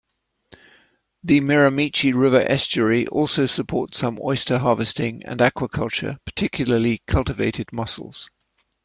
The Miramichi River estuary also supports some oyster harvesting and aquaculture, particularly cultivated mussels.